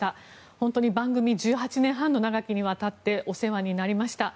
本当に番組１８年半の長きにわたってお世話になりました。